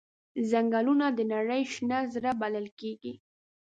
ځنګلونه د نړۍ شنه زړه بلل کېږي.